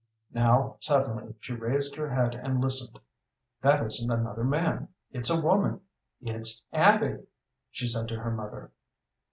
Now, suddenly, she raised her head and listened. "That isn't another man, it's a woman it's Abby," she said to her mother.